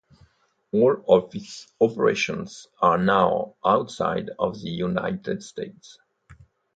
All of its operations are now outside the United States.